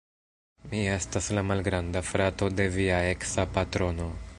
Mi estas la malgranda frato de via eksa patrono